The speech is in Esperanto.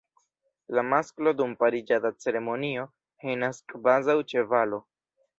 La masklo dum pariĝada ceremonio henas kvazaŭ ĉevalo.